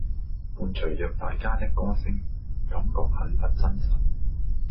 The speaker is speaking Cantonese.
伴隨著大家的歌聲，感覺很不真實